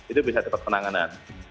itu bisa dapat penanganan